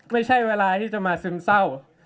ไม่ใช่เวลาที่จะมาซึมเศร้า